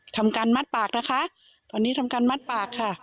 ทำการมัดปากนะคะตอนนี้ทำการมัดปากค่ะ